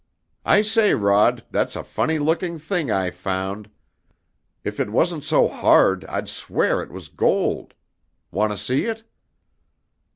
"I say, Rod, that's a funny looking thing I found! If it wasn't so hard I'd swear it was gold? Want to see it?"